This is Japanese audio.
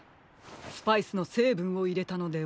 スパイスのせいぶんをいれたのでは？